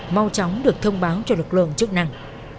mau chóng được thông báo cho lực lượng chức năng